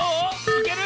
いける？